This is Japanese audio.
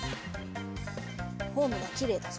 フォームがきれいだぞ。